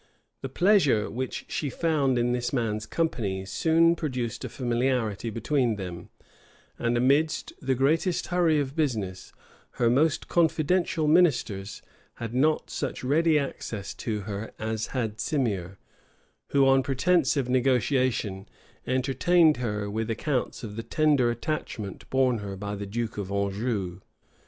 The pleasure which she found in this man's company soon produced a familiarity between them; and amidst the greatest hurry of business, her most confidential ministers had not such ready access to her as had Simier, who, on pretence of negotiation, entertained her with accounts of the tender attachment borne her by the duke of Anjou.